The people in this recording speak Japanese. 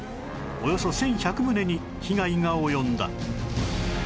およそ１１００棟に被害が及んだ